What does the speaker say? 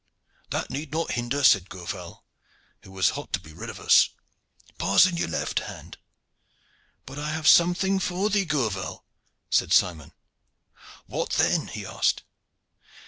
'That need not hinder,' said Gourval, who was hot to be rid of us, 'pass in your left hand.' 'But I have something for thee, Gourval,' said Simon. 'What then?' he asked.